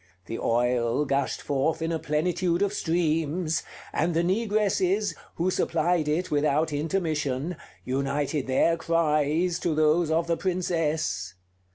The oil gushed forth in a plenitude of streams; and the negresses, who supplied it without intermission, united their cries to those of the Princess.